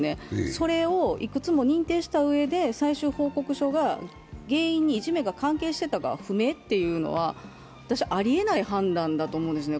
それをいくつも認定したうえで最終報告書が原因にいじめが関係していたかどうかは不明というのはありえない判断だと思うんですね。